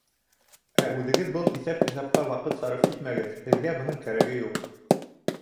Ә үҙегеҙ был иҫәп-хисапҡа ваҡыт сарыф итмәгеҙ, һеҙгә бының кәрәге юҡ.